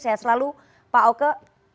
sehat selalu pak oke